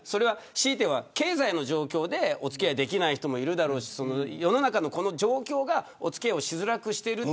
強いては経済の状況でお付き合いできない人もいるだろうし世の中のこの状況がお付き合いをしづらくしている。